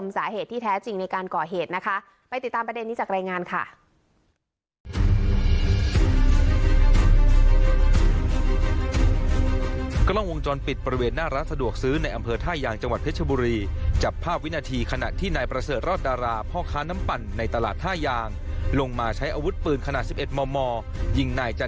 สาเหตุที่แท้จริงในการก่อเหตุนะคะไปติดตามประเด็นนี้จากรายงานค่ะ